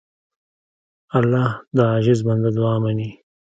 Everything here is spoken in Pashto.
الله د عاجز بنده دعا منې.